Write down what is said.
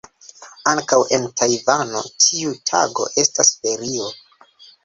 Ankaŭ en Tajvano tiu tago estas ferio.